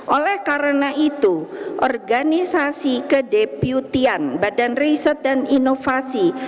oleh karena itu organisasi kedeputian badan riset dan inovasi